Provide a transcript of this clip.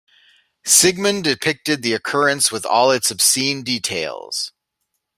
Sigmund depicted the occurrence with all its obscene details.